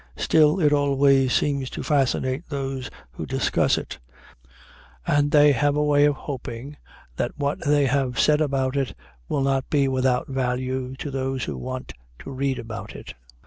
Still, it always seems to fascinate those who discuss it, and they have a way of hoping that what they have said about it will not be without value to those who want to read about it.